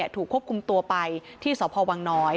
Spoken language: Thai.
ถูกควบคุมตัวไปที่สพวน